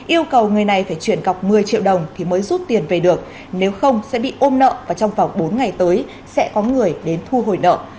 yêu cầu người này phải chuyển cọc một mươi triệu đồng thì mới rút tiền về được nếu không sẽ bị ôm nợ và trong vòng bốn ngày tới sẽ có người đến thu hồi nợ